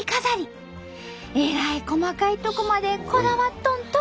えらい細かいとこまでこだわっとんと！